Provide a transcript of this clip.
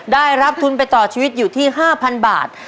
ได้รับทุนไปต่อชีวิตอยู่ที่๕๐๐บาท